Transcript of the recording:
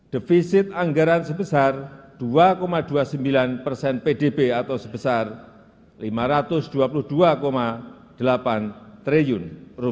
defisit anggaran sebesar dua dua puluh sembilan persen pdb atau sebesar rp lima ratus dua puluh dua delapan triliun